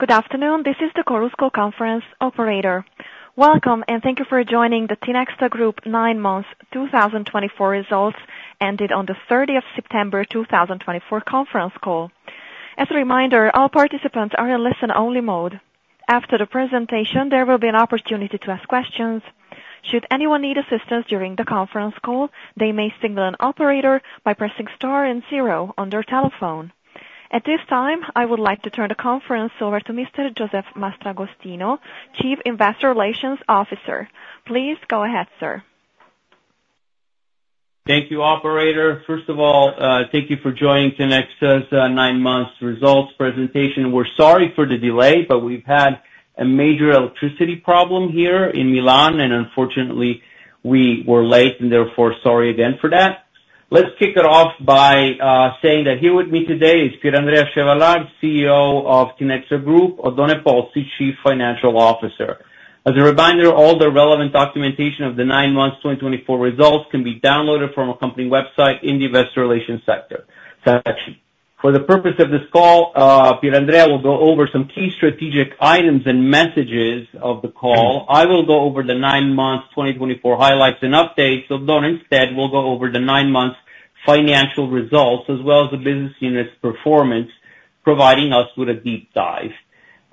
Good afternoon, this is the Chorus Call conference operator. Welcome, and thank you for joining the Tinexta Group nine months 2024 results ended on the 30th of September 2024 conference call. As a reminder, all participants are in listen-only mode. After the presentation, there will be an opportunity to ask questions. Should anyone need assistance during the conference call, they may signal an operator by pressing star and zero on their telephone. At this time, I would like to turn the conference over to Mr. Josef Mastragostino, Chief Investor Relations Officer. Please go ahead, sir. Thank you, Operator. First of all, thank you for joining Tinexta's nine months results presentation. We're sorry for the delay, but we've had a major electricity problem here in Milan, and unfortunately, we were late, and therefore, sorry again for that. Let's kick it off by saying that here with me today is Pier Andrea Chevallard, CEO of Tinexta Group, Oddone Pozzi, Chief Financial Officer. As a reminder, all the relevant documentation of the nine months 2024 results can be downloaded from our company website in the Investor Relations section. For the purpose of this call, Pier Andrea will go over some key strategic items and messages of the call. I will go over the nine months 2024 highlights and updates. Oddone instead will go over the nine months financial results, as well as the business unit's performance, providing us with a deep dive.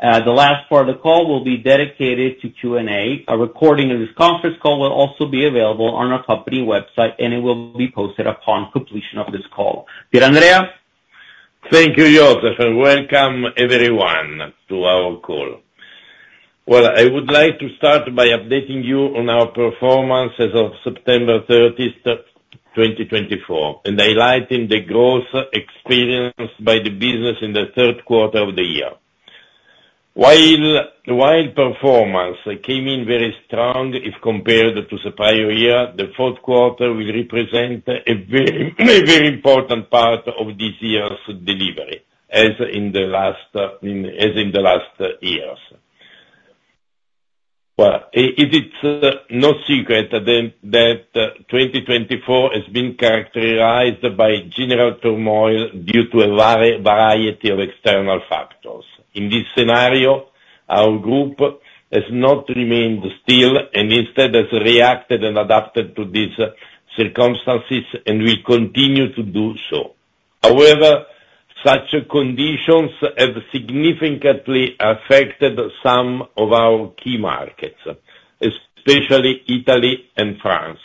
The last part of the call will be dedicated to Q&A. A recording of this conference call will also be available on our company website, and it will be posted upon completion of this call. Pier Andrea? Thank you, Josef, and welcome everyone to our call. I would like to start by updating you on our performance as of September 30th, 2024, and highlighting the growth experienced by the business in the third quarter of the year. While performance came in very strong if compared to the prior year, the fourth quarter will represent a very important part of this year's delivery, as in the last years. It is no secret that 2024 has been characterized by general turmoil due to a variety of external factors. In this scenario, our group has not remained still, and instead has reacted and adapted to these circumstances and will continue to do so. However, such conditions have significantly affected some of our key markets, especially Italy and France,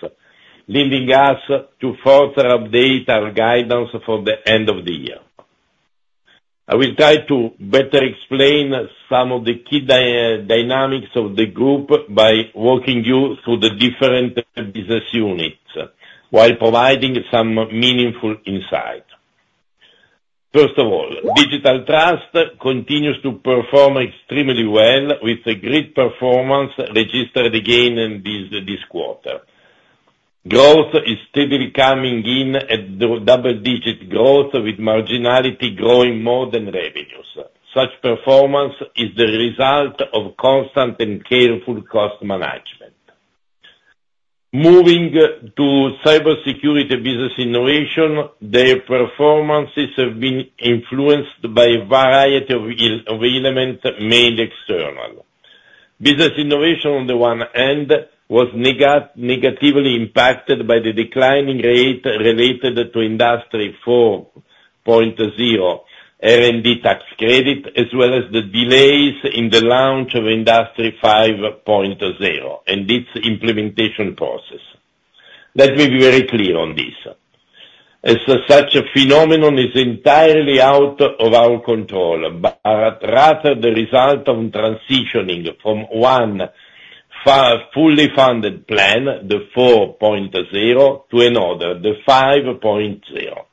leading us to further update our guidance for the end of the year. I will try to better explain some of the key dynamics of the group by walking you through the different business units while providing some meaningful insight. First of all, Digital Trust continues to perform extremely well, with great performance registered again this quarter. Growth is steadily coming in at double-digit growth, with marginality growing more than revenues. Such performance is the result of constant and careful cost management. Moving to Cybersecurity, Business Innovation, their performances have been influenced by a variety of external elements. Business Innovation, on the one hand, was negatively impacted by the declining rate related to Industry 4.0 R&D tax credit, as well as the delays in the launch of Industry 5.0 and its implementation process. Let me be very clear on this. As such, a phenomenon is entirely out of our control, but rather the result of transitioning from one fully funded plan, the 4.0, to another, the 5.0.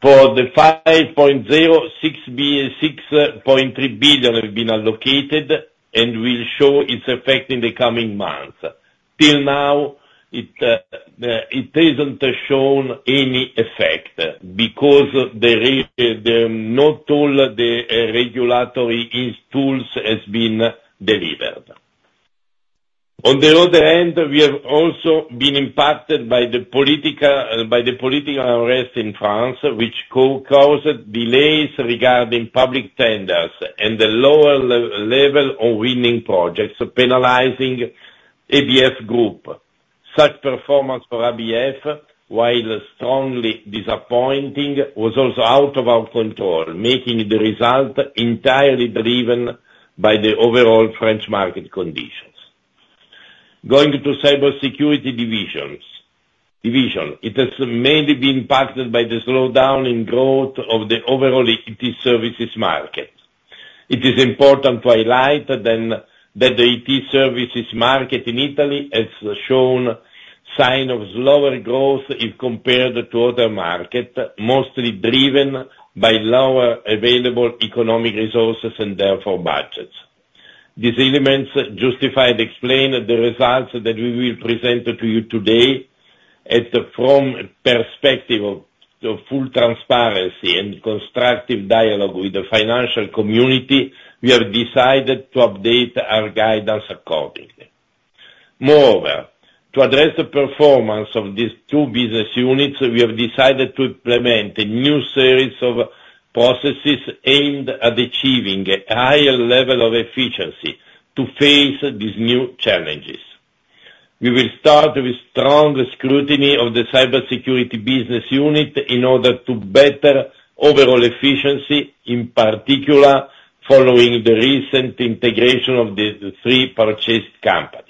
For the 5.0, 6.3 billion have been allocated and will show its effect in the coming months. Till now, it hasn't shown any effect because not all the regulatory tools have been delivered. On the other hand, we have also been impacted by the political unrest in France, which caused delays regarding public tenders and the lower level of winning projects, penalizing ABF Group. Such performance for ABF, while strongly disappointing, was also out of our control, making the result entirely driven by the overall French market conditions. Going to Cybersecurity divisions, it has mainly been impacted by the slowdown in growth of the overall IT services market. It is important to highlight that the IT services market in Italy has shown signs of slower growth if compared to other markets, mostly driven by lower available economic resources and therefore budgets. These elements justify and explain the results that we will present to you today. From the perspective of full transparency and constructive dialogue with the financial community, we have decided to update our guidance accordingly. Moreover, to address the performance of these two business units, we have decided to implement a new series of processes aimed at achieving a higher level of efficiency to face these new challenges. We will start with strong scrutiny of the Cybersecurity business unit in order to better overall efficiency, in particular following the recent integration of the three purchased companies.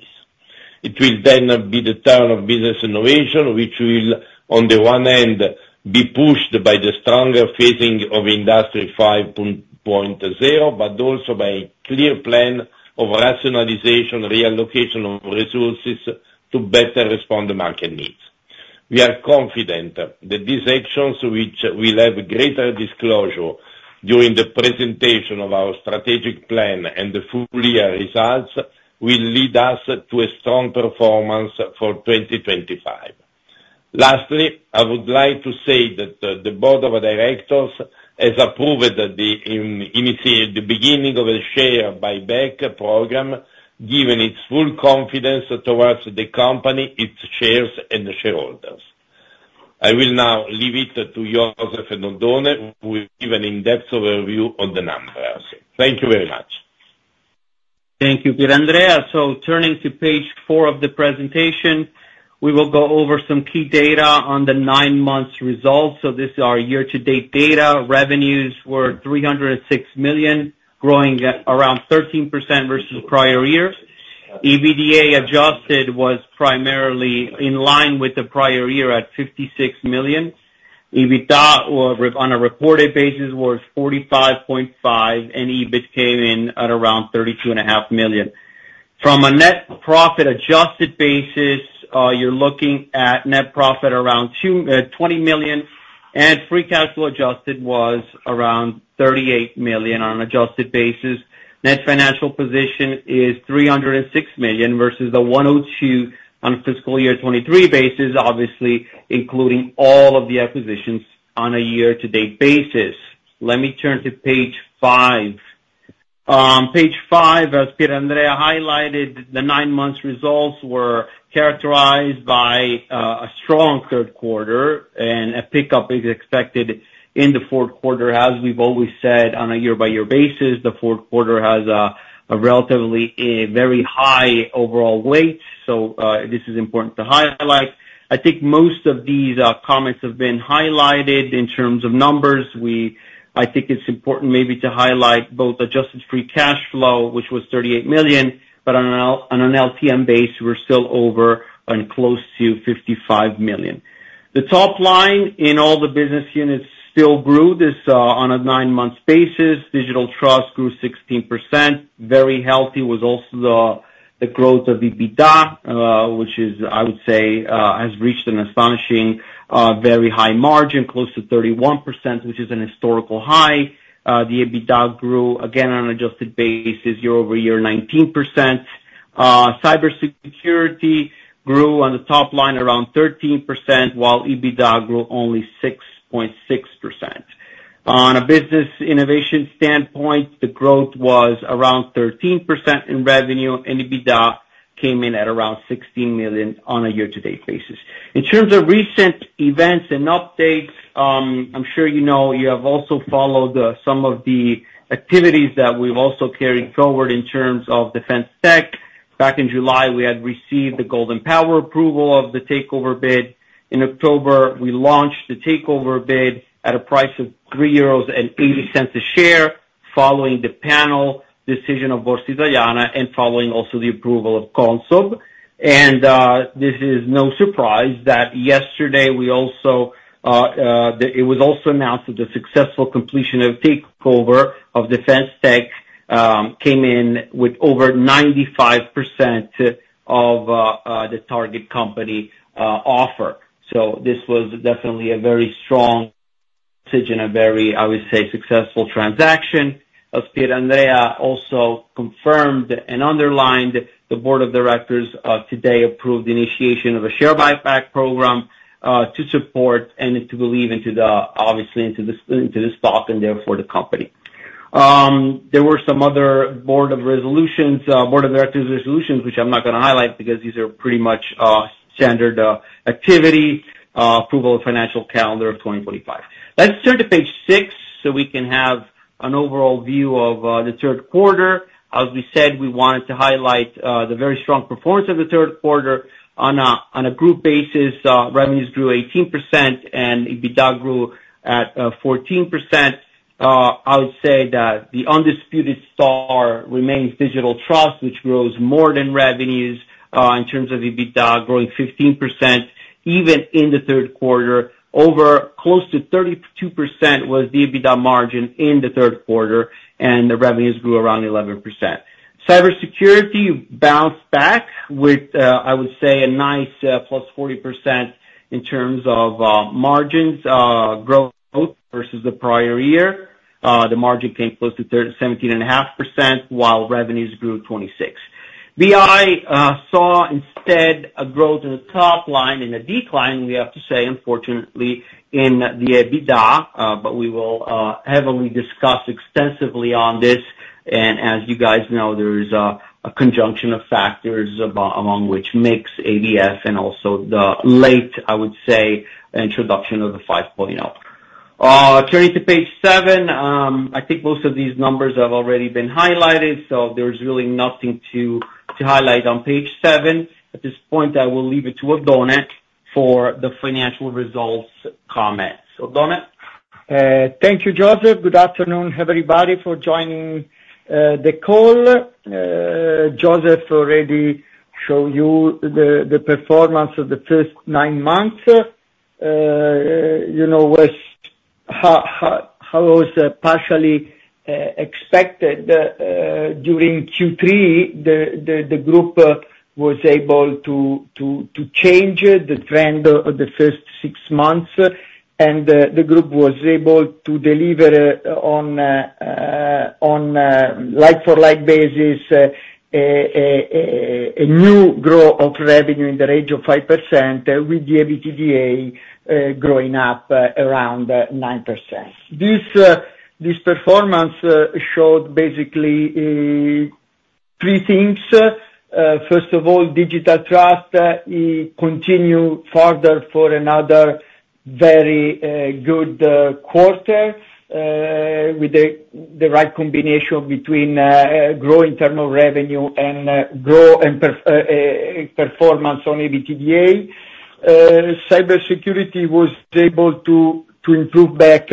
It will then be the turn of Business Innovation, which will, on the one hand, be pushed by the stronger financing of Industry 5.0, but also by a clear plan of rationalization and reallocation of resources to better respond to market needs. We are confident that these actions, which will have greater disclosure during the presentation of our strategic plan and the full year results, will lead us to a strong performance for 2025. Lastly, I would like to say that the Board of Directors has approved the beginning of a share buyback program, giving its full confidence towards the company, its shares, and the shareholders. I will now leave it to Josef and Oddone, who will give an in-depth overview of the numbers. Thank you very much. Thank you, Pier Andrea. Turning to page four of the presentation, we will go over some key data on the nine months results. This is our year-to-date data. Revenues were 306 million, growing around 13% versus prior years. EBIDA adjusted was primarily in line with the prior year at 56 million. EBITDA, on a reported basis, was 45.5 million, and EBIT came in at around 32.5 million. From a net profit adjusted basis, you're looking at net profit around 20 million, and Free Cash Flow adjusted was around 38 million on an adjusted basis. Net financial position is 306 million versus the 102 million on a fiscal year 2023 basis, obviously including all of the acquisitions on a year-to-date basis. Let me turn to page five. On page five, as Pier Andrea highlighted, the 9 Months Results were characterized by a strong third quarter, and a pickup is expected in the fourth quarter, as we've always said on a year-by-year basis. The fourth quarter has a relatively very high overall weight, so this is important to highlight. I think most of these comments have been highlighted in terms of numbers. I think it's important maybe to highlight both adjusted Free Cash Flow, which was 38 million, but on an LTM base, we're still over and close to 55 million. The top line in all the business units still grew on a nine months basis. Digital Trust grew 16%. Very healthy was also the growth of EBITDA, which is, I would say, has reached an astonishing very high margin, close to 31%, which is a historical high. The EBITDA grew, again, on an adjusted basis, year-over-year 19%. Cybersecurity grew on the top line around 13%, while EBITDA grew only 6.6%. On a Business Innovation standpoint, the growth was around 13% in revenue, and EBITDA came in at around 16 million on a year-to-date basis. In terms of recent events and updates, I'm sure you know you have also followed some of the activities that we've also carried forward in terms of Defence Tech. Back in July, we had received the Golden Power approval of the takeover bid. In October, we launched the takeover bid at a price of 3.80 euros a share, following the panel decision of Borsa Italiana and following also the approval of CONSOB. And this is no surprise that yesterday it was also announced that the successful completion of takeover of Defence Tech came in with over 95% of the target company offer. So this was definitely a very strong message and a very, I would say, successful transaction. As Pier Andrea also confirmed and underlined, the Board of Directors today approved the initiation of a share buyback program to support and to believe into, obviously, into the stock and therefore the company. There were some other Board of Directors resolutions, which I'm not going to highlight because these are pretty much standard activity, approval of financial calendar of 2025. Let's turn to page six so we can have an overall view of the third quarter. As we said, we wanted to highlight the very strong performance of the third quarter. On a group basis, revenues grew 18%, and EBITDA grew at 14%. I would say that the undisputed star remains Digital Trust, which grows more than revenues in terms of EBITDA, growing 15% even in the third quarter. Over close to 32% was the EBITDA margin in the third quarter, and the revenues grew around 11%. Cybersecurity bounced back with, I would say, a nice +40% in terms of margins growth versus the prior year. The margin came close to 17.5%, while revenues grew 26%. BI saw instead a growth in the top line and a decline, we have to say, unfortunately, in the EBITDA, but we will heavily discuss extensively on this. And as you guys know, there is a conjunction of factors among which mix ABF and also the late, I would say, introduction of the 5.0. Turning to page seven, I think most of these numbers have already been highlighted, so there's really nothing to highlight on page seven. At this point, I will leave it to Oddone for the financial results comments. Oddone? Thank you, Josef. Good afternoon, everybody, for joining the call. Josef already showed you the performance of the first nine months. You know how it was partially expected during Q3, the group was able to change the trend of the first six months, and the group was able to deliver on a like-for-like basis a new growth of revenue in the range of 5%, with the EBITDA growing up around 9%. This performance showed basically three things. First of all, Digital Trust continued further for another very good quarter with the right combination between growing internal revenue and growth and performance on EBITDA. Cybersecurity was able to improve back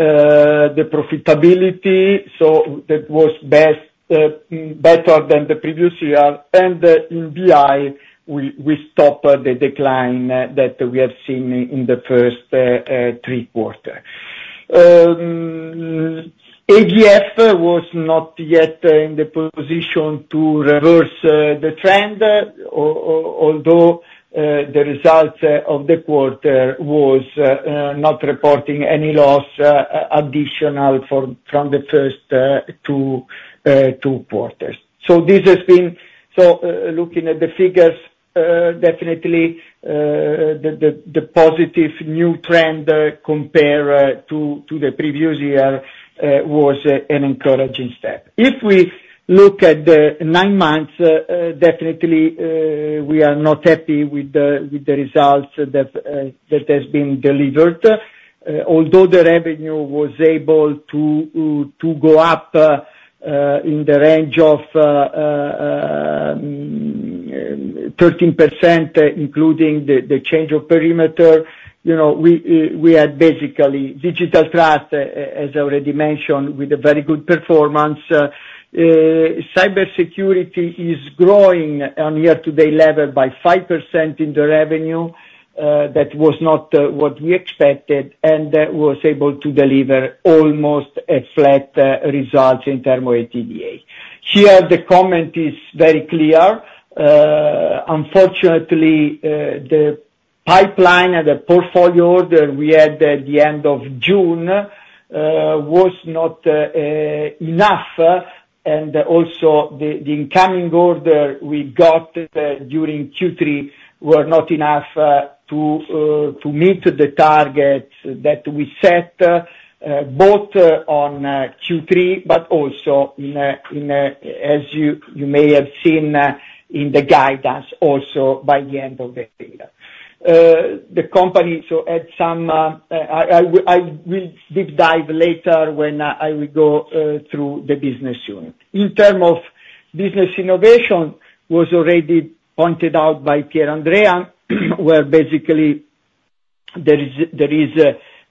the profitability, so that was better than the previous year, and in BI, we stopped the decline that we have seen in the first three quarters. ABF was not yet in the position to reverse the trend, although the result of the quarter was not reporting any loss additional from the first two quarters. So looking at the figures, definitely the positive new trend compared to the previous year was an encouraging step. If we look at the nine months, definitely we are not happy with the results that have been delivered. Although the revenue was able to go up in the range of 13%, including the change of perimeter, we had basically Digital Trust, as I already mentioned, with a very good performance. Cybersecurity is growing on year-to-date level by 5% in the revenue. That was not what we expected, and that was able to deliver almost a flat result in terms of EBITDA. Here, the comment is very clear. Unfortunately, the pipeline and the portfolio order we had at the end of June was not enough, and also the incoming order we got during Q3 was not enough to meet the target that we set, both on Q3, but also, as you may have seen in the guidance, also by the end of the year. The company had some. I will deep dive later when I will go through the business unit. In terms of Business Innovation, it was already pointed out by Pier Andrea, where basically there is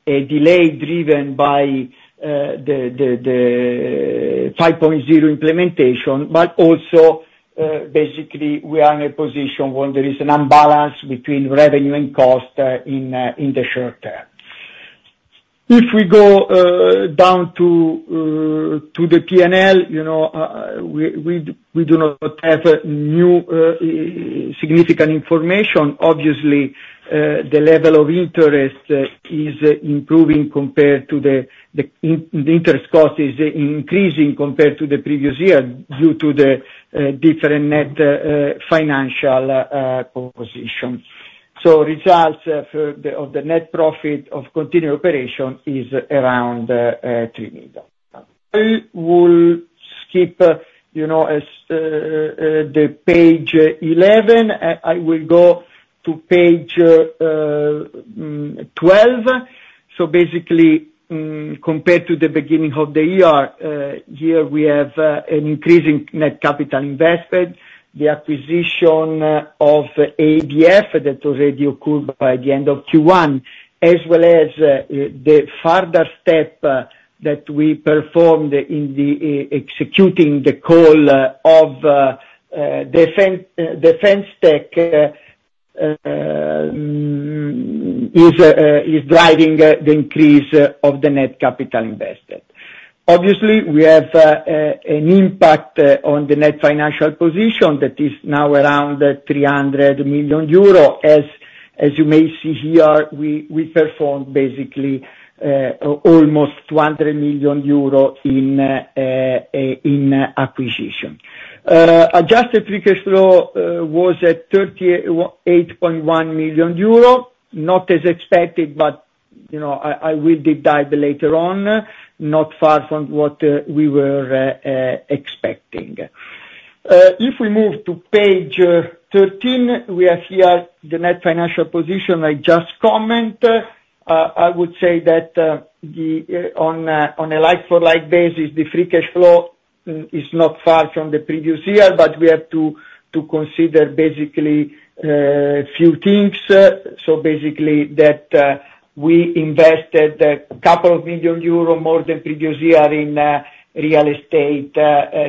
a delay driven by the 5.0 implementation, but also basically we are in a position where there is an imbalance between revenue and cost in the short term. If we go down to the P&L, we do not have new significant information. Obviously, the level of interest is improving compared to the interest cost is increasing compared to the previous year due to the different net financial position. So, results of the net profit of continuing operations is around EUR 3 million. I will skip page 11. I will go to page 12. So basically, compared to the beginning of the year, here we have an increasing net capital investment, the acquisition of ABF that already occurred by the end of Q1, as well as the further step that we performed in executing the call of Defence Tech is driving the increase of the net capital invested. Obviously, we have an impact on the net financial position that is now around 300 million euro. As you may see here, we performed basically almost 200 million euro in acquisition. Adjusted Free Cash Flow was at 38.1 million euro, not as expected, but I will deep dive later on, not far from what we were expecting. If we move to page 13, we have here the net financial position I just commented. I would say that on a like-for-like basis, the Free Cash Flow is not far from the previous year, but we have to consider basically a few things. So basically that we invested a couple of million euros more than previous year in real estate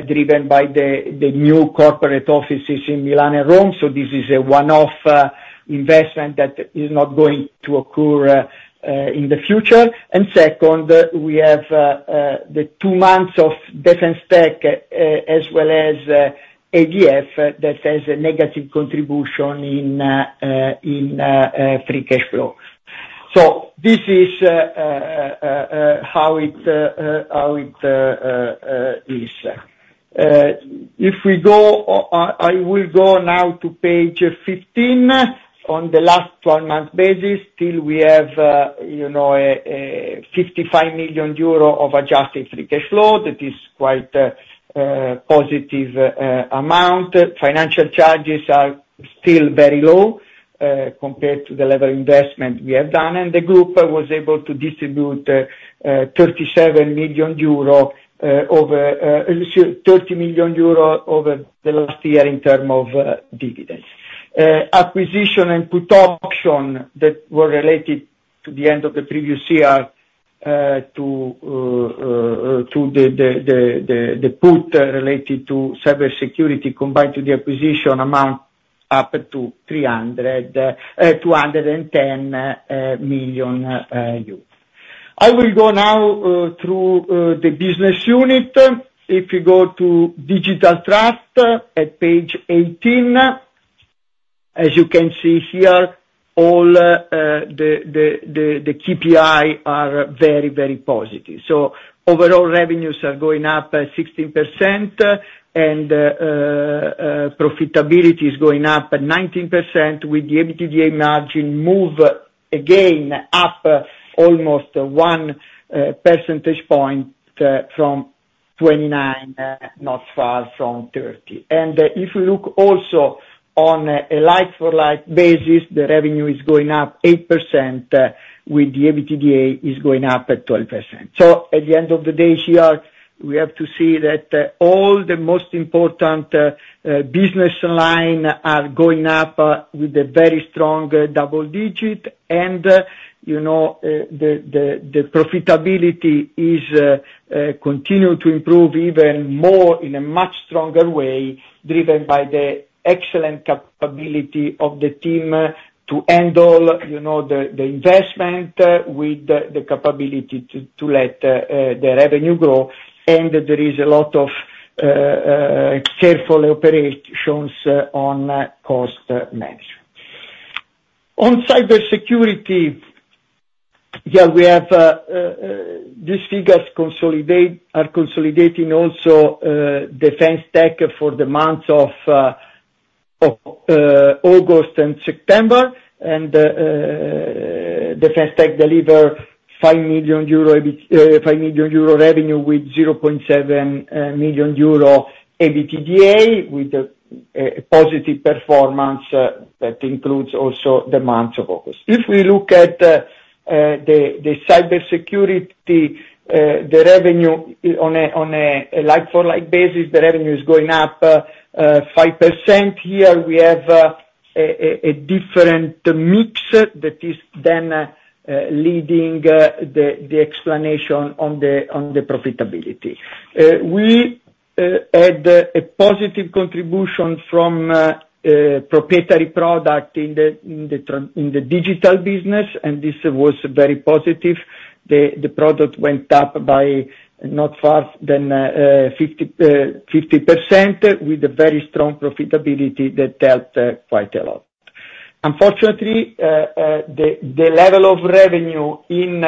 driven by the new corporate offices in Milan and Rome. So this is a one-off investment that is not going to occur in the future, and second, we have the two months of Defence Tech as well as ABF that has a negative contribution in Free Cash Flow. So this is how it is. If we go, I will go now to page 15. On the last 12-month basis, still we have 55 million euro of adjusted Free Cash Flow. That is quite a positive amount. Financial charges are still very low compared to the level of investment we have done, and the group was able to distribute 37 million euro over 30 million euro over the last year in terms of dividends. Acquisition and put option that were related to the end of the previous year to the put related to Cybersecurity combined to the acquisition amount up to 210 million. I will go now through the business unit. If you go to Digital Trust at page 18, as you can see here, all the KPIs are very, very positive, so overall revenues are going up 16%, and profitability is going up 19%, with the EBITDA margin move again up almost one percentage point from 29, not far from 30. If we look also on a like-for-like basis, the revenue is going up 8%, with the EBITDA going up at 12%. So at the end of the day here, we have to see that all the most important business lines are going up with a very strong double-digit, and the profitability is continuing to improve even more in a much stronger way driven by the excellent capability of the team to handle the investment with the capability to let the revenue grow. There is a lot of careful operations on cost management. On Cybersecurity, yeah, we have. These figures are consolidating also Defence Tech for the months of August and September. Defence Tech delivered 5 million euro revenue with 0.7 million euro EBITDA, with a positive performance that includes also the months of August. If we look at the Cybersecurity, the revenue on a like-for-like basis, the revenue is going up 5%. Here we have a different mix that is then leading the explanation on the profitability. We had a positive contribution from proprietary product in the digital business, and this was very positive. The product went up by not far from 50%, with a very strong profitability that helped quite a lot. Unfortunately, the level of revenue in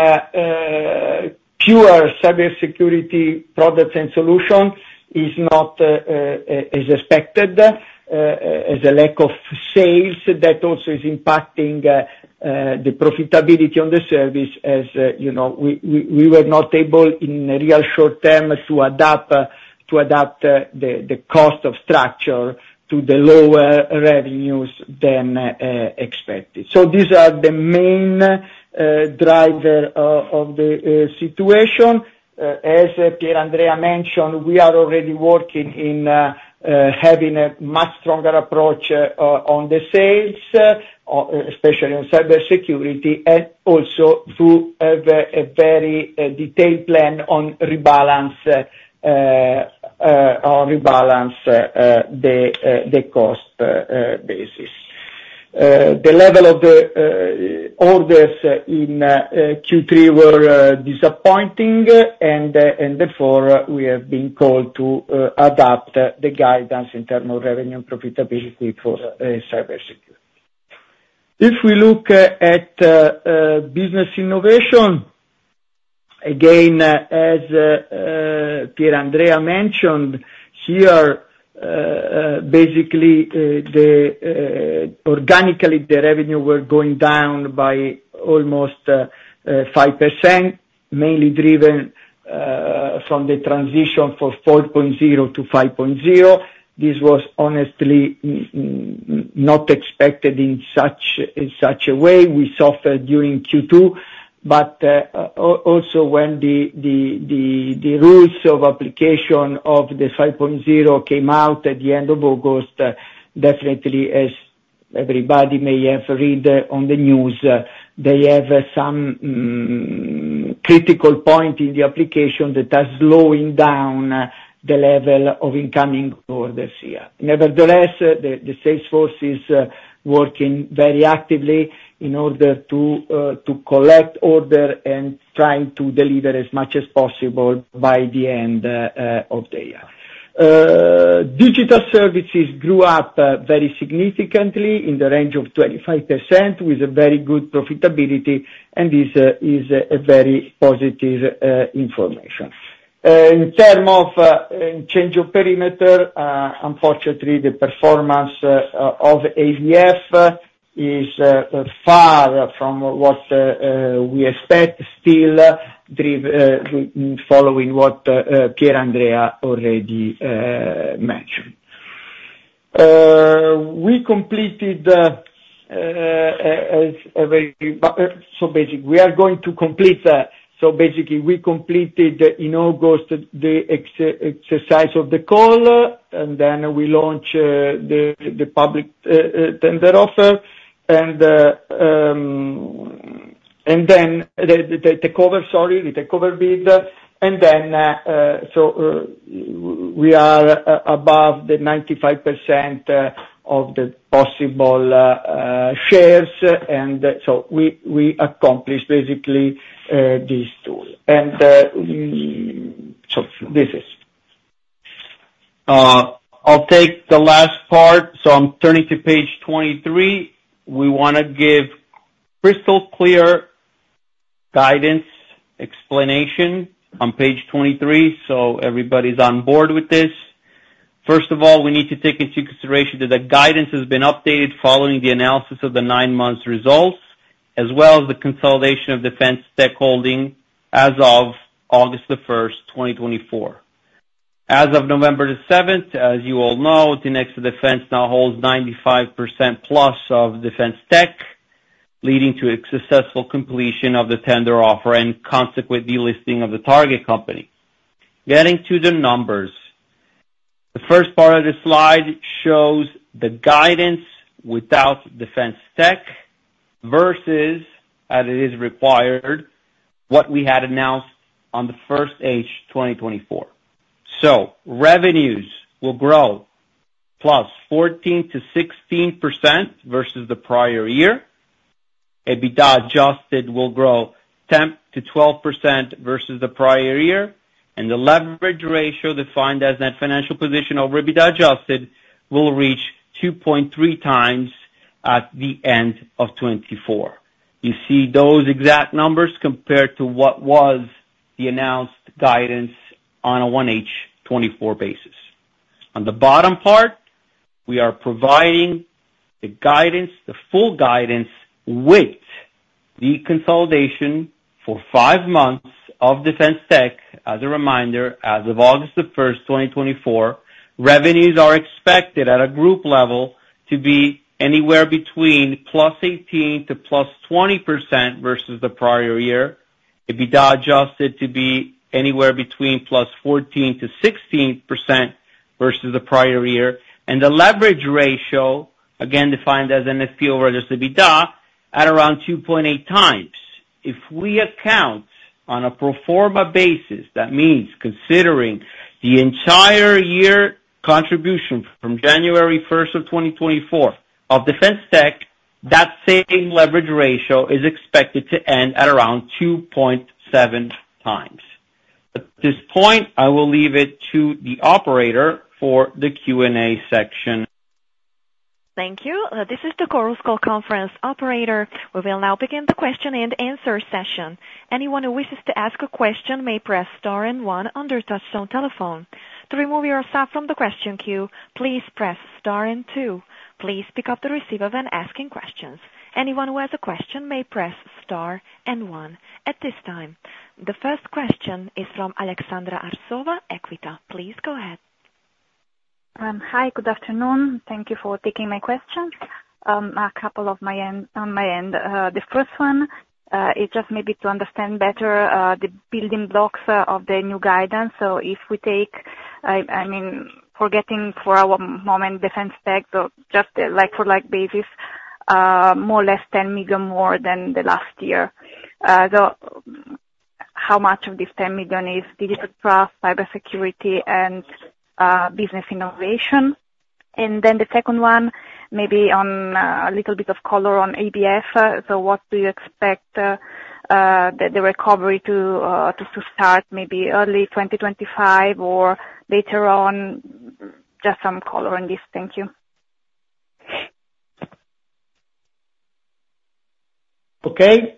pure Cybersecurity products and solutions is not as expected, as a lack of sales that also is impacting the profitability on the service. As we were not able in a really short term to adapt the cost structure to the lower revenues than expected. So these are the main drivers of the situation. As Pier Andrea mentioned, we are already working in having a much stronger approach on the sales, especially on Cybersecurity, and also to have a very detailed plan on rebalance the cost basis. The level of the orders in Q3 were disappointing, and therefore we have been called to adapt the guidance in terms of revenue and profitability for Cybersecurity. If we look at Business Innovation, again, as Pier Andrea mentioned, here basically organically the revenue were going down by almost 5%, mainly driven from the transition from 4.0-5.0. This was honestly not expected in such a way we suffered during Q2. But also when the rules of application of the 5.0 came out at the end of August, definitely as everybody may have read on the news, they have some critical point in the application that are slowing down the level of incoming orders here. Nevertheless, the sales force is working very actively in order to collect orders and trying to deliver as much as possible by the end of the year. Digital services grew up very significantly in the range of 25% with a very good profitability, and this is a very positive information. In terms of change of perimeter, unfortunately, the performance of ABF is far from what we expect still following what Pier Andrea already mentioned. We completed, so basically we completed in August the exercise of the call, and then we launched the public tender offer, and then the takeover, sorry, the takeover bid, and then so we are above the 95% of the possible shares. We accomplished basically these two. This is. I'll take the last part. I'm turning to page 23. We want to give crystal clear guidance explanation on page 23, so everybody's on board with this. First of all, we need to take into consideration that the guidance has been updated following the analysis of the nine-month results, as well as the consolidation of Defence Tech Holding as of August the 1st, 2024. As of November the 7th, as you all know, Tinexta now holds 95%+ of Defence Tech, leading to a successful completion of the tender offer and consequent delisting of the target company. Getting to the numbers, the first part of the slide shows the guidance without Defence Tech versus, as it is required, what we had announced in the first half of 2024. So revenues will grow +14%-16% versus the prior year. EBITDA adjusted will grow 10%-12% versus the prior year. The leverage ratio defined as net financial position over EBITDA Adjusted will reach 2.3x at the end of 2024. You see those exact numbers compared to what was the announced guidance on a 1H 2024 basis. On the bottom part, we are providing the guidance, the full guidance with the consolidation for five months of Defence Tech. As a reminder, as of August 1st, 2024, revenues are expected at a group level to be anywhere between +18%-+20% versus the prior year. EBITDA Adjusted to be anywhere between +14%-16% versus the prior year. And the leverage ratio, again defined as NFP over EBITDA, at around 2.8 x. If we account on a pro forma basis, that means considering the entire year contribution from January 1st of 2024 of Defence Tech, that same leverage ratio is expected to end at around 2.7x. At this point, I will leave it to the operator for the Q&A section. Thank you. This is the Chorus Call Conference operator. We will now begin the question and answer session. Anyone who wishes to ask a question may press star and one on their touch-tone telephone. To remove yourself from the question queue, please press star and two. Please pick up the receiver when asking questions. Anyone who has a question may press star and one. At this time, the first question is from Aleksandra Arsova, Equita. Please go ahead. Hi, good afternoon. Thank you for taking my question. A couple on my end. The first one is just maybe to understand better the building blocks of the new guidance. So if we take, I mean, forgetting for a moment, Defence Tech, so just the like-for-like basis, more or less 10 million more than the last year. So how much of this 10 million is Digital Trust, Cybersecurity, and Business Innovation? And then the second one, maybe on a little bit of color on ABF. So what do you expect the recovery to start maybe early 2025 or later on? Just some color on this. Thank you. Okay.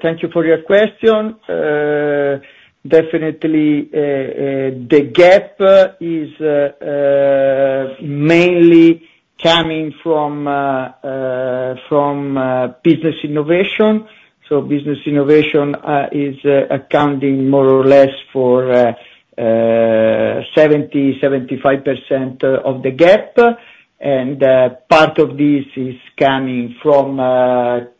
Thank you for your question. Definitely, the gap is mainly coming from Business Innovation. So Business Innovation is accounting more or less for 70%-75% of the gap. And part of this is coming from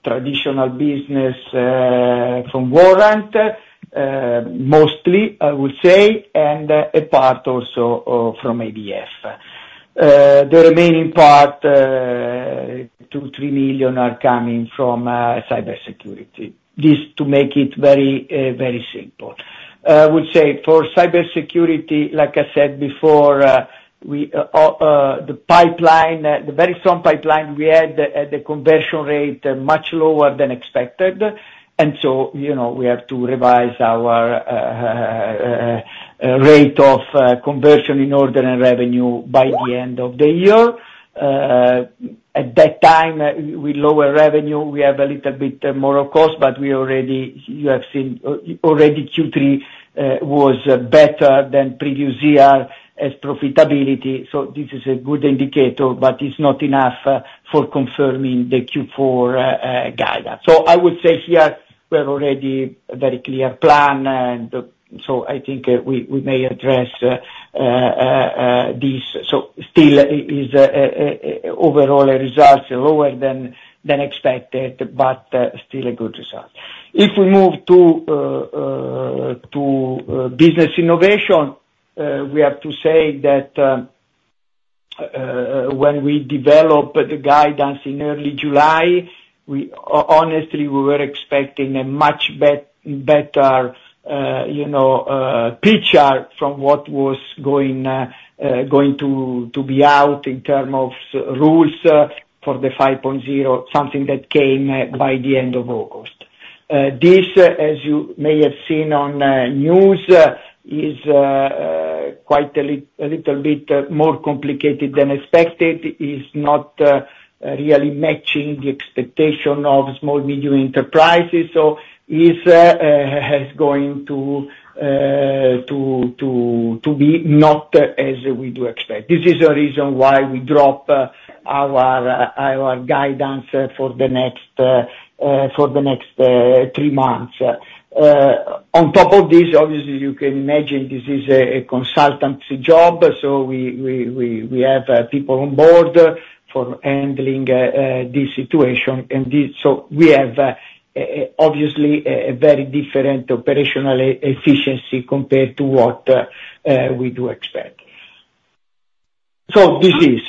traditional business from Warrant, mostly, I would say, and a part also from ABF. The remaining part, 2 million-3 million are coming from Cybersecurity. This to make it very, very simple. I would say for Cybersecurity, like I said before, the very strong pipeline we had, the conversion rate much lower than expected. And so we have to revise our rate of conversion in order and revenue by the end of the year. At that time, with lower revenue, we have a little bit more cost, but you have seen already Q3 was better than previous year as profitability. So this is a good indicator, but it's not enough for confirming the Q4 guidance. So I would say here we have already a very clear plan. And so I think we may address this. So still, overall results are lower than expected, but still a good result. If we move to Business Innovation, we have to say that when we developed the guidance in early July, honestly, we were expecting a much better picture from what was going to be out in terms of rules for the 5.0, something that came by the end of August. This, as you may have seen on news, is quite a little bit more complicated than expected. It's not really matching the expectation of small, medium enterprises. So it's going to be not as we do expect. This is a reason why we dropped our guidance for the next three months. On top of this, obviously, you can imagine this is a consultant job. So we have people on board for handling this situation. And so we have obviously a very different operational efficiency compared to what we do expect. So this is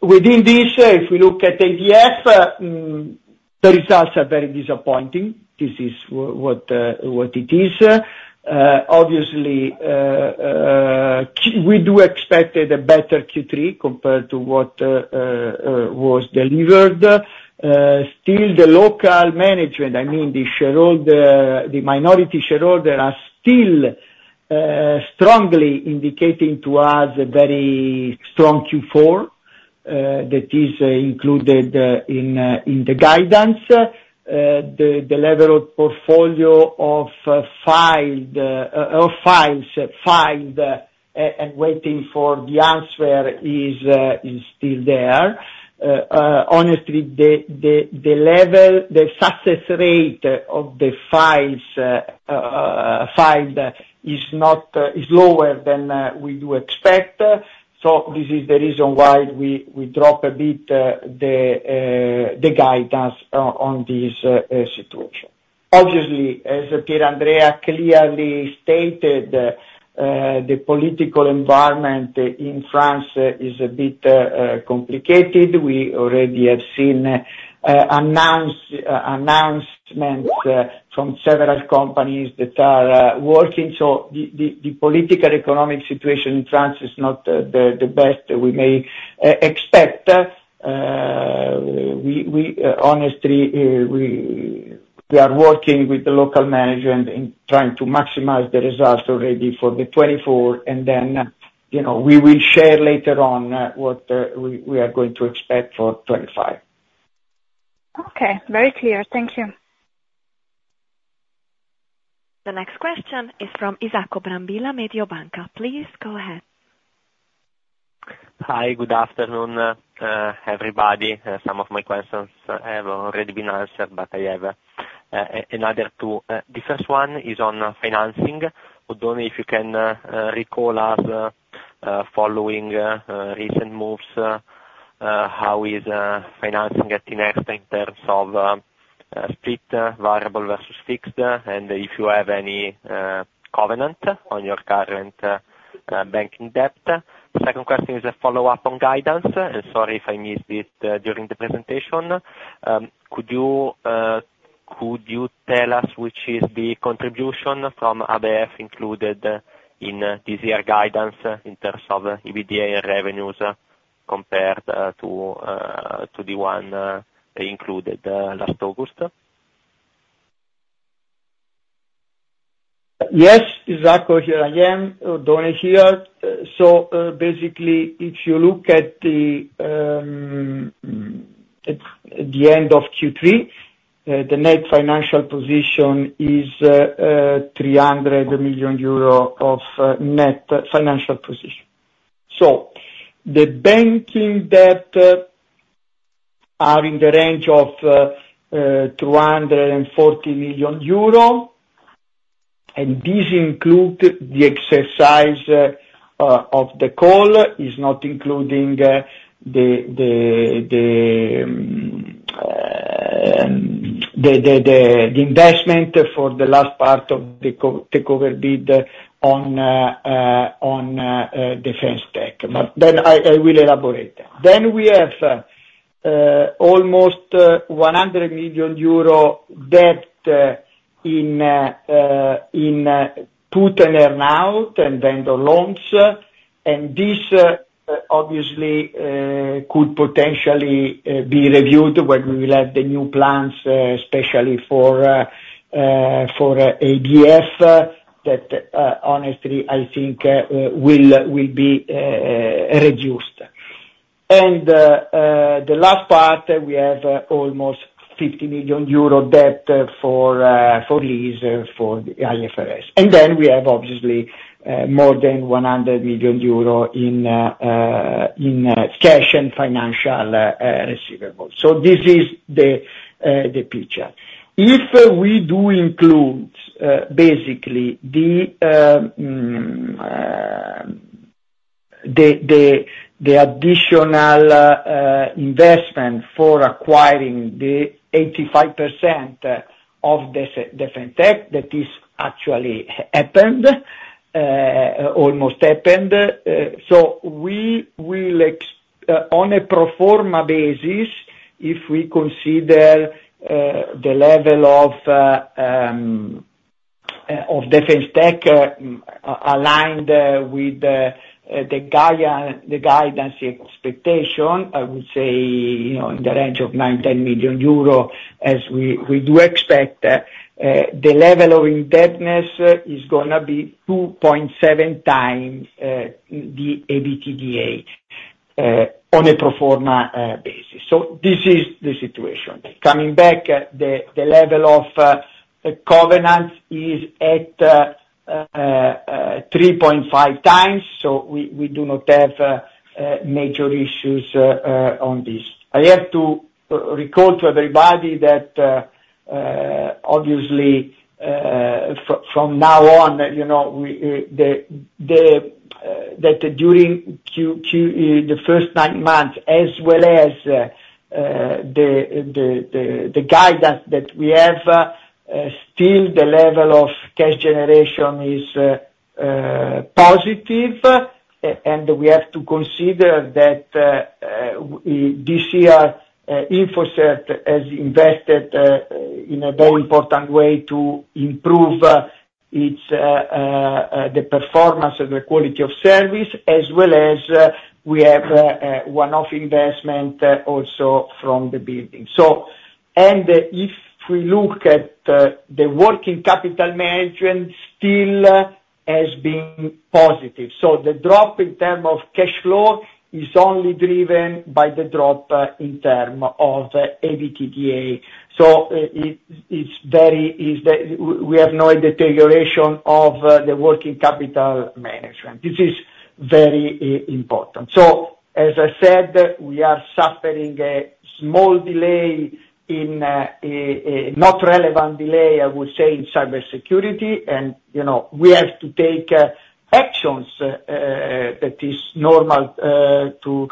within this, if we look at ABF, the results are very disappointing. This is what it is. Obviously, we do expect a better Q3 compared to what was delivered. Still, the local management, I mean, the minority shareholders are still strongly indicating to us a very strong Q4 that is included in the guidance. The level of portfolio of filed files and waiting for the answer is still there. Honestly, the success rate of the files filed is lower than we do expect. So this is the reason why we dropped a bit the guidance on this situation. Obviously, as Pier Andrea clearly stated, the political environment in France is a bit complicated. We already have seen announcements from several companies that are working. So the political economic situation in France is not the best we may expect. Honestly, we are working with the local management in trying to maximize the results already for the 2024. And then we will share later on what we are going to expect for the 2025. Okay. Very clear. Thank you. The next question is from Isacco Brambilla, Mediobanca. Please go ahead. Hi. Good afternoon, everybody. Some of my questions have already been answered, but I have another two. The first one is on financing. Oddone, if you can recall us following recent moves, how is financing at Tinexta in terms of split variable versus fixed? And if you have any covenant on your current banking debt. Second question is a follow-up on guidance. And sorry if I missed it during the presentation. Could you tell us which is the contribution from ABF included in this year's guidance in terms of EBITDA and revenues compared to the one they included last August? Yes. Isacco here again. Oddone here. So basically, if you look at the end of Q3, the net financial position is 300 million euro of net financial position. So the banking debt is in the range of 240 million euro. And this includes the exercise of the call. It's not including the investment for the last part of the takeover bid on Defence Tech. But then I will elaborate. Then we have almost EUR 100 million debt in put and earn-out and vendor loans. And this, obviously, could potentially be reviewed when we will have the new plans, especially for ABF, that honestly, I think, will be reduced. And the last part, we have almost 50 million euro debt for lease for the IFRS. And then we have, obviously, more than 100 million euro in cash and financial receivables. So this is the picture. If we do include, basically, the additional investment for acquiring the 85% of Defence Tech that has actually happened, almost happened, so we will, on a pro forma basis, if we consider the level of Defence Tech aligned with the guidance expectation, I would say in the range of 9 million-10 million euro, as we do expect, the level of indebtedness is going to be 2.7x the EBITDA on a pro forma basis. So this is the situation. Coming back, the level of covenant is at 3.5x. So we do not have major issues on this. I have to recall to everybody that, obviously, from now on, that during the first nine months, as well as the guidance that we have, still the level of cash generation is positive. And we have to consider that this year, InfoCert has invested in a very important way to improve the performance of the quality of service, as well as we have one-off investment also from the building. And if we look at the working capital management, still has been positive. So the drop in terms of cash flow is only driven by the drop in terms of EBITDA. So we have no deterioration of the working capital management. This is very important. So, as I said, we are suffering a small delay, not relevant delay, I would say, in Cybersecurity. And we have to take actions. That is normal to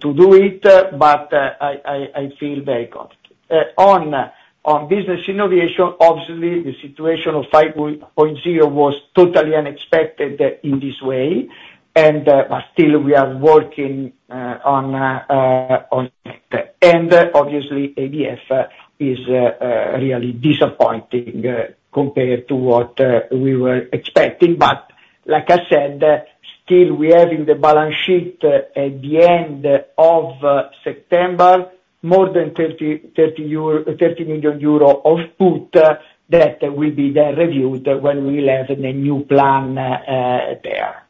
do it, but I feel very confident. On Business Innovation, obviously, the situation of Industry 5.0 was totally unexpected in this way. And still, we are working on it. And obviously, ABF is really disappointing compared to what we were expecting. But like I said, still, we have in the balance sheet at the end of September, more than 30 million euro of put that will be then reviewed when we will have the new plan there.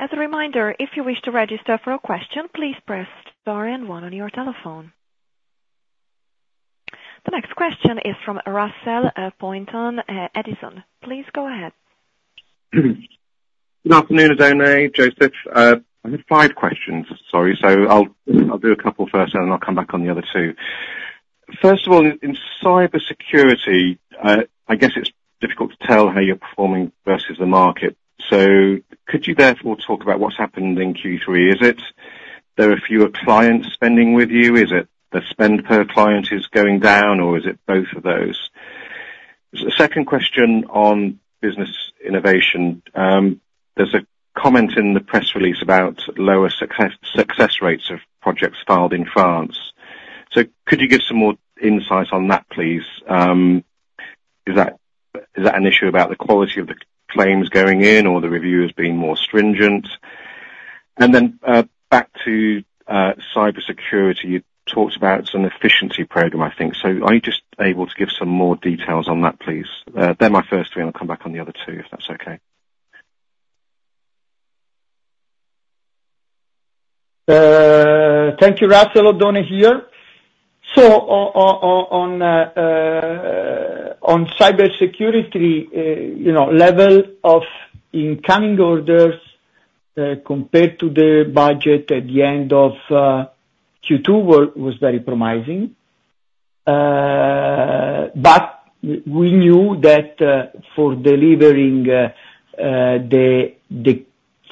As a reminder, if you wish to register for a question, please press star and one on your telephone. The next question is from Russell Pointon, Edison. Please go ahead. Good afternoon, Oddone. Josef. I have five questions, sorry. So I'll do a couple first, and then I'll come back on the other two. First of all, in Cybersecurity, I guess it's difficult to tell how you're performing versus the market. So could you therefore talk about what's happened in Q3? Is it there are fewer clients spending with you? Is it the spend per client is going down, or is it both of those? The second question on Business Innovation. There's a comment in the press release about lower success rates of projects filed in France. So could you give some more insights on that, please? Is that an issue about the quality of the claims going in, or the review has been more stringent? And then back to Cybersecurity, you talked about some efficiency program, I think. So are you just able to give some more details on that, please? They're my first three. I'll come back on the other two if that's okay. Thank you, Russell. Oddone here. So on Cybersecurity, level of incoming orders compared to the budget at the end of Q2 was very promising. But we knew that for delivering the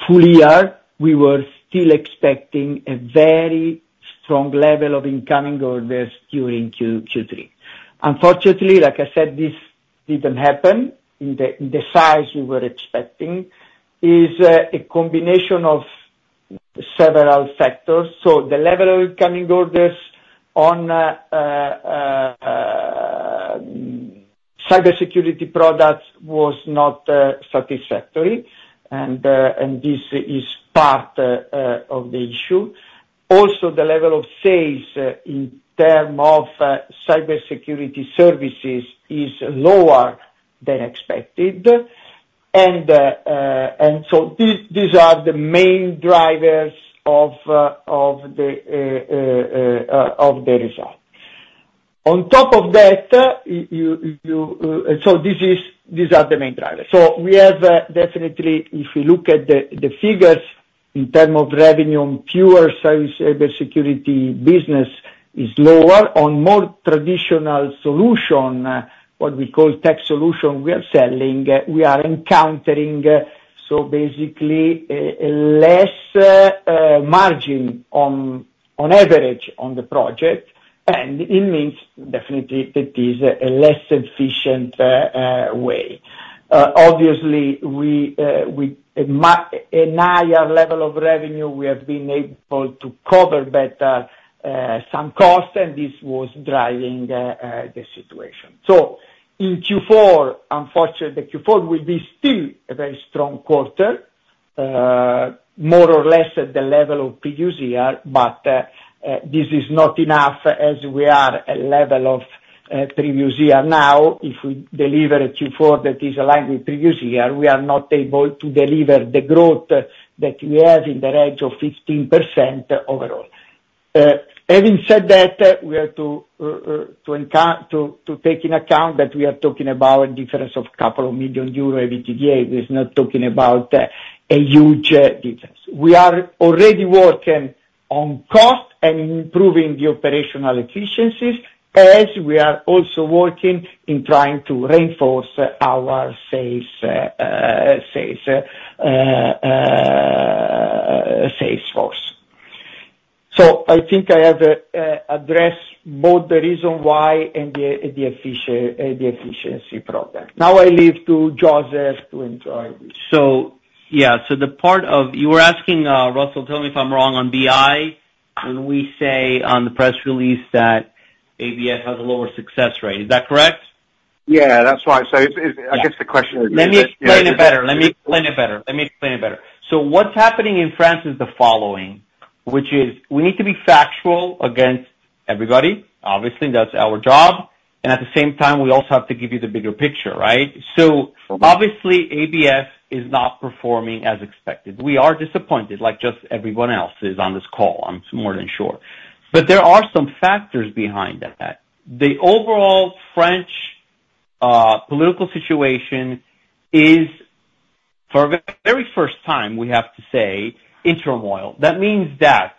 full year, we were still expecting a very strong level of incoming orders during Q3. Unfortunately, like I said, this didn't happen. The size we were expecting is a combination of several factors. The level of incoming orders on Cybersecurity products was not satisfactory. This is part of the issue. Also, the level of sales in terms of Cybersecurity services is lower than expected. These are the main drivers of the result. On top of that, we have definitely, if you look at the figures in terms of revenue on pure Cybersecurity business, it's lower. On more traditional solution, what we call tech solution we are selling, we are encountering, so basically, less margin on average on the project. It means definitely that it is a less efficient way. Obviously, with a higher level of revenue, we have been able to cover better some costs, and this was driving the situation. So in Q4, unfortunately, the Q4 will be still a very strong quarter, more or less at the level of previous year. But this is not enough as we are at level of previous year. Now, if we deliver a Q4 that is aligned with previous year, we are not able to deliver the growth that we have in the range of 15% overall. Having said that, we have to take into account that we are talking about a difference of a couple of million euros EBITDA. We're not talking about a huge difference. We are already working on cost and improving the operational efficiencies as we are also working in trying to reinforce our sales force. So I think I have addressed both the reason why and the efficiency problem. Now I leave to Josef to enjoy this. So yeah. So the part you were asking, Russell, tell me if I'm wrong, on BI, when we say on the press release that ABF has a lower success rate. Is that correct? Yeah. That's why. So I guess the question is, Let me explain it better. So what's happening in France is the following, which is we need to be factual against everybody. Obviously, that's our job. And at the same time, we also have to give you the bigger picture, right? So obviously, ABF is not performing as expected. We are disappointed, like just everyone else is on this call, I'm more than sure. But there are some factors behind that. The overall French political situation is, for the very first time, we have to say, in turmoil. That means that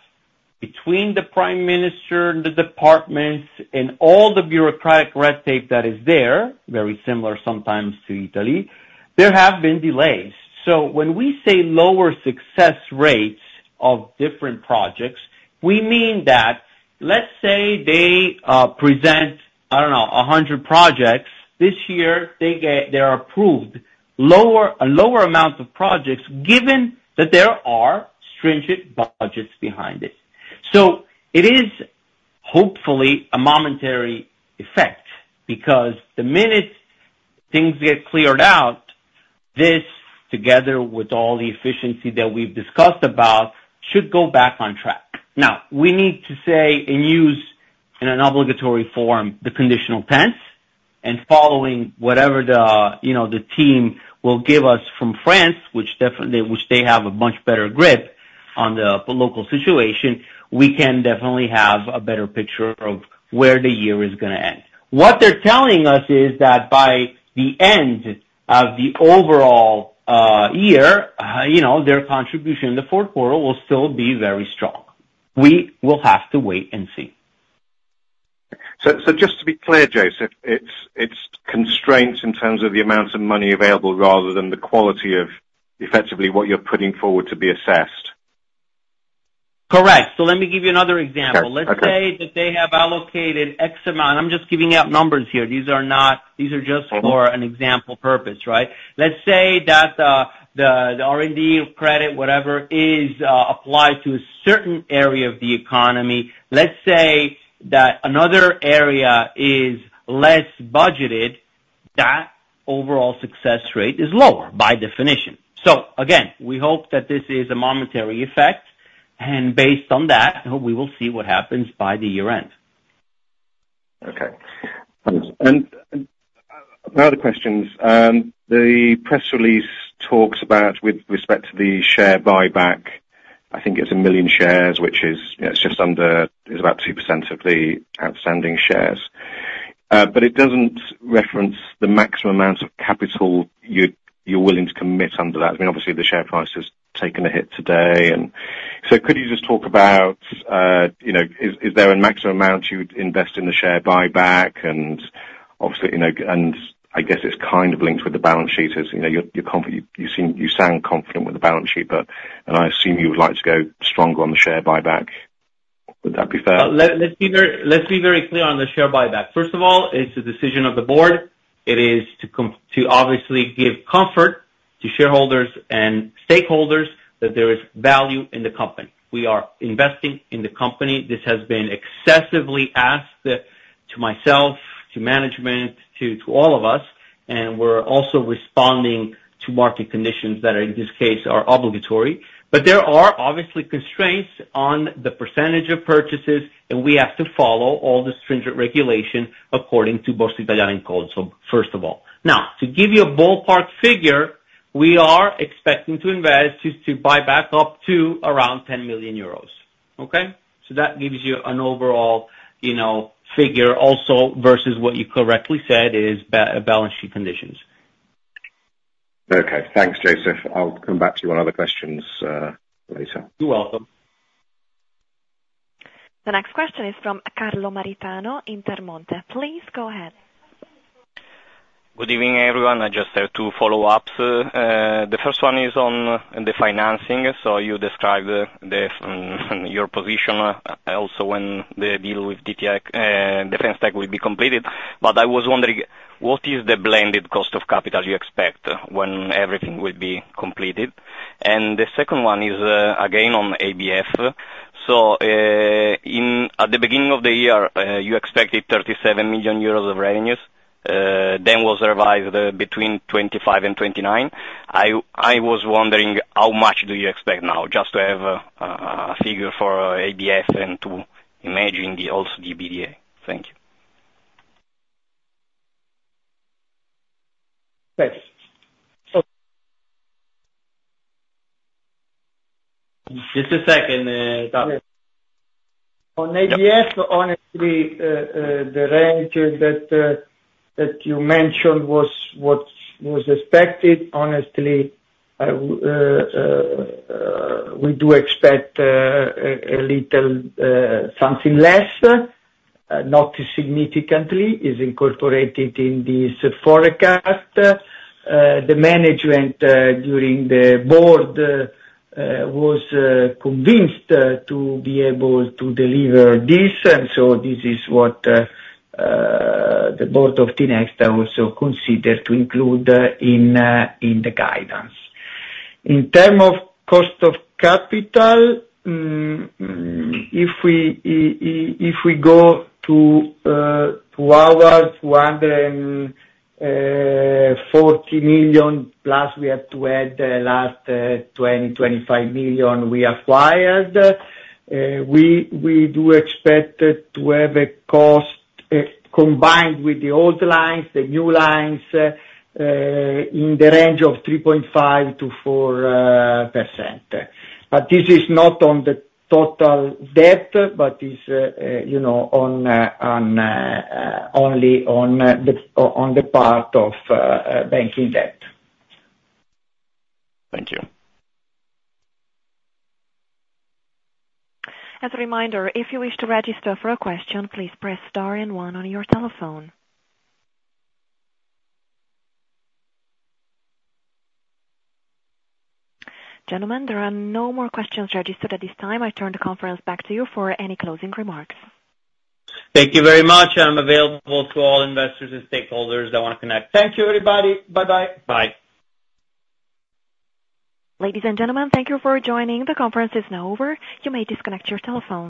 between the Prime Minister and the departments and all the bureaucratic red tape that is there, very similar sometimes to Italy, there have been delays. So when we say lower success rates of different projects, we mean that, let's say, they present, I don't know, 100 projects. This year, they are approved a lower amount of projects given that there are stringent budgets behind it. So it is hopefully a momentary effect because the minute things get cleared out, this, together with all the efficiency that we've discussed about, should go back on track. Now, we need to say and use in an obligatory form the conditional tense, and following whatever the team will give us from France, which they have a much better grip on the local situation, we can definitely have a better picture of where the year is going to end. What they're telling us is that by the end of the overall year, their contribution in the fourth quarter will still be very strong. We will have to wait and see, So just to be clear, Josef, it's constraints in terms of the amount of money available rather than the quality of effectively what you're putting forward to be assessed. Correct. So let me give you another example. Let's say that they have allocated X amount. I'm just giving out numbers here. These are just for an example purpose, right? Let's say that the R&D tax credit, whatever, is applied to a certain area of the economy. Let's say that another area is less budgeted, that overall success rate is lower by definition. So again, we hope that this is a momentary effect, and based on that, we will see what happens by the year end. Okay. My other questions, the press release talks about with respect to the share buyback, I think it's 1 million shares, which is just under about 2% of the outstanding shares. But it doesn't reference the maximum amount of capital you're willing to commit under that. I mean, obviously, the share price has taken a hit today. And so could you just talk about, is there a maximum amount you would invest in the share buyback? And obviously, I guess it's kind of linked with the balance sheet as you sound confident with the balance sheet, but I assume you would like to go stronger on the share buyback. Would that be fair? Let's be very clear on the share buyback. First of all, it's a decision of the board. It is to obviously give comfort to shareholders and stakeholders that there is value in the company. We are investing in the company. This has been excessively asked to myself, to management, to all of us. And we're also responding to market conditions that are, in this case, obligatory. But there are obviously constraints on the percentage of purchases, and we have to follow all the stringent regulation according to Borsa Italiana Code. So first of all. Now, to give you a ballpark figure, we are expecting to invest to buy back up to around 10 million euros. Okay? So that gives you an overall figure also versus what you correctly said is balance sheet conditions. Okay. Thanks, Josef. I'll come back to you on other questions later. You're welcome. The next question is from Carlo Maritano, Intermonte. Please go ahead. Good evening, everyone. I just have two follow-ups. The first one is on the financing. You described your position also when the deal with Defence Tech will be completed. But I was wondering, what is the blended cost of capital you expect when everything will be completed? And the second one is, again, on ABF. So at the beginning of the year, you expected 37 million euros of revenues. Then was revised between 25 million and 29 million. I was wondering how much do you expect now, just to have a figure for ABF and to imagine also the EBITDA. Thank you. Thanks. Just a second, Carlo. On ABF, honestly, the range that you mentioned was expected. Honestly, we do expect a little something less, not significantly, is incorporated in this forecast. The management during the board was convinced to be able to deliver this. And so this is what the board of Tinexta also considered to include in the guidance. In terms of cost of capital, if we go to our EUR 240 million+, we have to add the last 20 million-25 million we acquired, we do expect to have a cost combined with the old lines, the new lines, in the range of 3.5%-4%. But this is not on the total debt, but it's only on the part of banking debt. Thank you. As a reminder, if you wish to register for a question, please press star and one on your telephone. Gentlemen, there are no more questions registered at this time. I turn the conference back to you for any closing remarks. Thank you very much. I'm available to all investors and stakeholders that want to connect. Thank you, everybody. Bye-bye. Bye. Ladies and gentlemen, thank you for joining. The conference is now over. You may disconnect your telephone.